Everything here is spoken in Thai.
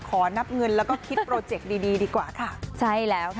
ขอนับเงินแล้วก็คิดโปรเจคดีดีกว่าค่ะใช่แล้วค่ะ